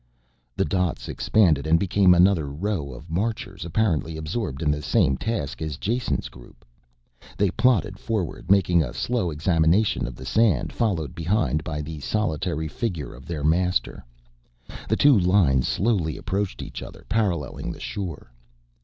The dots expanded and became another row of marchers, apparently absorbed in the same task as Jason's group. They plodded forward, making a slow examination of the sand, followed behind by the solitary figure of their master. The two lines slowly approached each other, paralleling the shore.